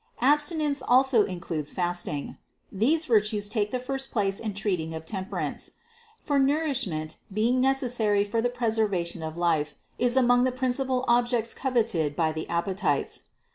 Abstinence also includes fasting. These virtues take the first place in treating of temperance; for nourishment, being necessary for the preservation of life, is among the principal objects cov eted by the appetites.